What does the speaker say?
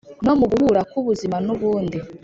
no mu guhura k’ubuzima n’ubundi